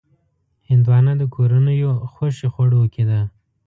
هندوانه د کورنیو خوښې خوړو کې ده.